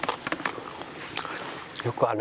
よくあの。